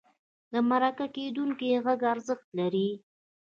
د مرکه کېدونکي غږ ارزښت لري.